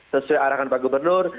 sesuai arahan pak gubernur